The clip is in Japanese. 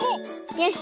よし！